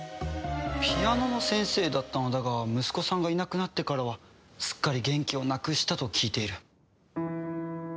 ピアノの先生だったのだが息子さんがいなくなってからはすっかり元気をなくしたと聞いている。